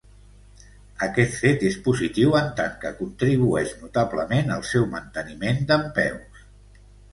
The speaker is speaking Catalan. Aquest fet és positiu en tant que contribueix notablement al seu manteniment dempeus.